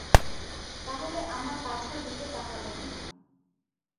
তাহলে আমার পাছার দিকে তাকাবেন না!